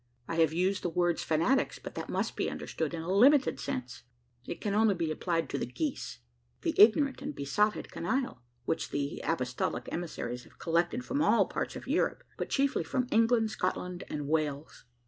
I have used the word "fanatics," but that must be understood in a limited sense. It can only be applied to the "geese" the ignorant and besotted canaille which the "apostolic" emissaries have collected from all parts of Europe, but chiefly from England, Scotland, and Wales.